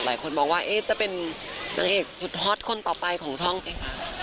หลายคนมองว่าจะเป็นนางเอกสุดฮอตคนต่อไปของช่องเอง